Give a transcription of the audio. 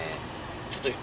ちょっと。